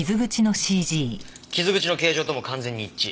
傷口の形状とも完全に一致。